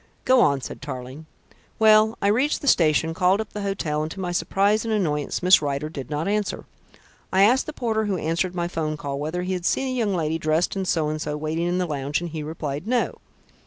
"Go on," said Tarling. "Well, I reached the station, called up the hotel, and to my surprise and annoyance Miss Rider did not answer. I asked the porter who answered my 'phone call whether he had seen a young lady dressed in so and so waiting in the lounge, and he replied 'no.'